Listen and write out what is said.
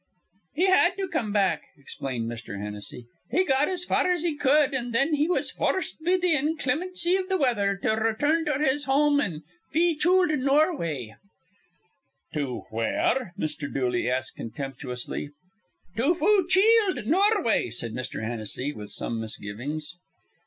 "He had to come back," explained Mr. Hennessy. "He got as far as he cud, an' thin he was foorced be th' inclimincy iv th' weather to return to his home in Feechoold, Norway." "To where?" Mr. Dooley asked contemptuously. "To Foocheeld, Norway," said Mr. Hennessy, with some misgivings.